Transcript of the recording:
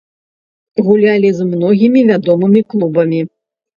Гулялі з многімі вядомымі клубамі.